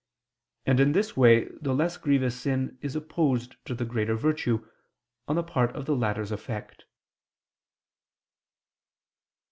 And in this way the less grievous sin is opposed to the greater virtue, on the part of the latter's effect.